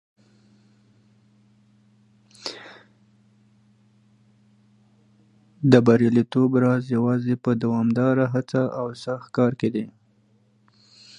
د بریالیتوب راز یوازې په دوامداره هڅه او سخت کار کې دی.